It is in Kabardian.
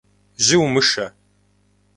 Жьы умышэ!